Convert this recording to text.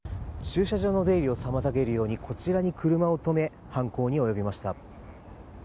駐車場の出入りを妨げるようにこちらに車を止め犯行に及びました。